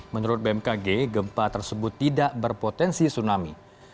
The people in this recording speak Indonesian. menurut bmkg gempa tersebut tidak berpotensi tsunami